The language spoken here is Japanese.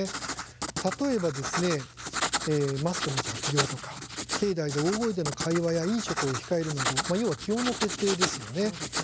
例えばマスクの着用とか境内で大声での会話や飲食を控えるなど要は基本の徹底ですね。